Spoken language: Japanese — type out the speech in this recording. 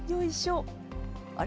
あれ？